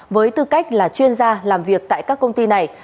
với tư cách là chuyên gia làm việc tại các công ty này